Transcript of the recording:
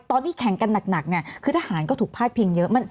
ตอนที่แข่งกันหนักเนี่ยคือทหารก็ถูกพาดพิงเยอะ